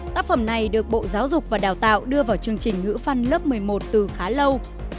tác phẩm này được bộ giáo dục và đào tạo đưa vào chương trình ngữ văn lớp một mươi một từ khá lâu